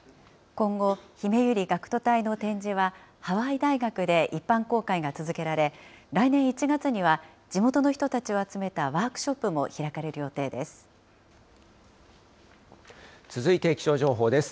今後、ひめゆり学徒隊の展示は、ハワイ大学で一般公開が続けられ、来年１月には地元の人たちを集めたワークショップも開かれる予定続いて気象情報です。